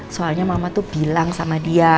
soalnya mama tuh bilang sama dia